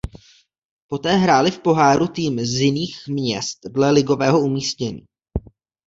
Poté hrály v poháru týmy z jiných měst dle ligového umístění.